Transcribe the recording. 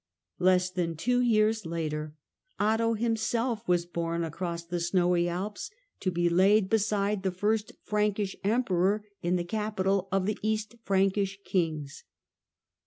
Less than two years later Otto himself was borne across the snowy Alps to be laid beside the first Frankish Emperor in the capital of the East Frankish kings.